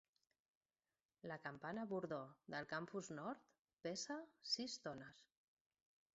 La campana bordó del Campus Nord pesa sis tones.